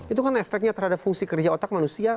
itu kan efeknya terhadap fungsi kerja otak manusia